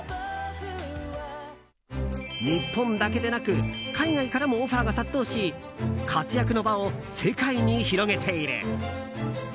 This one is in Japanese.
日本だけでなく海外からもオファーが殺到し活躍の場を世界に広げている。